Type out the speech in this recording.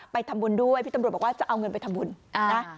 ไปทำบุญด้วยพี่ตำรวจบอกว่าจะเอาเงินไปทำบุญนะ